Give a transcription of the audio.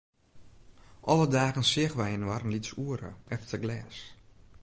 Alle dagen seagen wy inoar in lyts oere, efter glês.